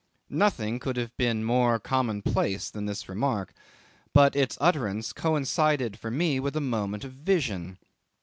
Nothing could have been more commonplace than this remark; but its utterance coincided for me with a moment of vision.